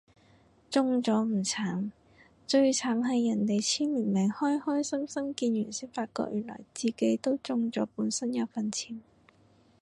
中咗唔慘，最慘係人哋簽完名開開心心見完先發覺原來自己都中咗本身有份簽